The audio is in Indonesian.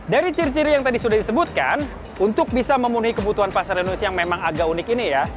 dari ciri ciri yang tadi sudah disebutkan untuk bisa memenuhi kebutuhan pasar indonesia yang memang agak unik ini ya